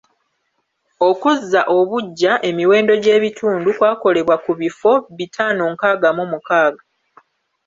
Okuzza obuggya emiwendo gy’ebitundu kwakolebwa ku bifo bitaano nkaaga mu mukaaga.